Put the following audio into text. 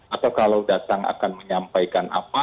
atau kalau datang akan menyampaikan apa